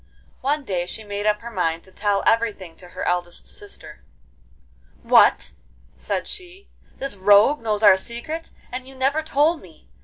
One day she made up her mind to tell everything to her eldest sister. 'What!' said she, 'this rogue knows our secret, and you never told me!